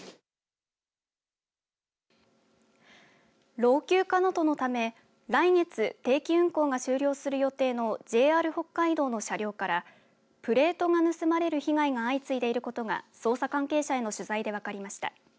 老朽化などのため来月、定期運行が終了する予定のＪＲ北海道の車両からプレートが盗まれる被害が相次いでいることが捜査関係者への取材で分かりました。